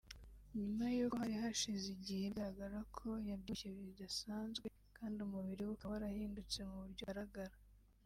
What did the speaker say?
nyuma y’uko hari hashize igihe bigaragara ko yabyibushye bidasanzwe kandi umubiri we ukaba warahindutse mu buryo bugaragara